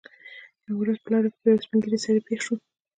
یوه ورځ په لاره کې پر یوه سپین ږیري سړي پېښ شوم.